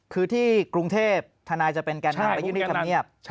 คือที่กรุงเทพธนายจะเป็นแก่นำไปยื่นที่ธรรมเนียบ